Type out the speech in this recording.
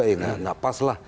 tidak pas lah